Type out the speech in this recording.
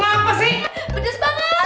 cabai apa sih be